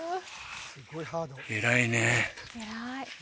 偉いね